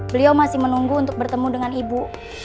beliau masih menunggu untuk bertemu dengan ibu